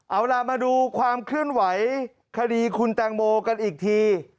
เอาล่ะมาดูความเคลื่อนไหวคดีคุณแตงโมกันอีกที